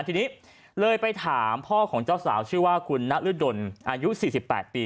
ทีนี้เลยไปถามพ่อของเจ้าสาวชื่อว่าคุณนฤดลอายุ๔๘ปี